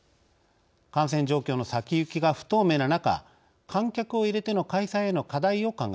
感染状況の先行きが不透明な中観客を入れての開催への課題を考えます。